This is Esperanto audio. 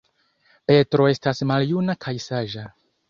Petro estas maljuna kaj saĝa.